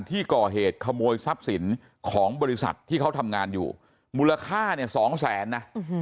ที่ก่อเหตุขโมยทรัพย์สินของบริษัทที่เขาทำงานอยู่มูลค่าเนี่ยสองแสนนะ